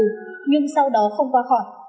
nhưng sau đó không qua khỏi